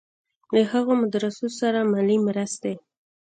له هغو مدرسو سره مالي مرستې.